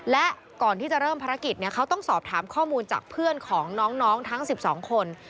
และก่อนที่จะเริ่มภารกิจเขาต้องสอบถามข้อมูลจากเพื่อนของน้องทั้ง๑๒คน